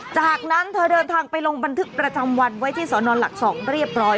จากนั้นเธอเดินทางไปลงบันทึกประจำวันไว้ที่สอนอนหลัก๒เรียบร้อย